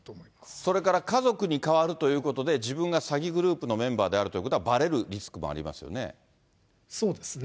それから家族に代わるということで、自分が詐欺グループのメンバーであるということはばれるリスクもありますよね。